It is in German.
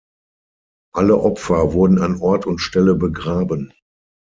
Alle Opfer wurden an Ort und Stelle begraben.